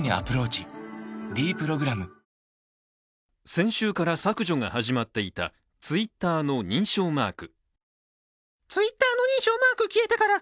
先週から削除が始まっていたＴｗｉｔｔｅｒの認証マーク。